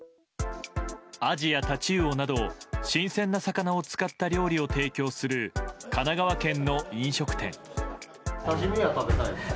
アジやタチウオなど新鮮な魚を使った料理を提供する、神奈川県の飲食店。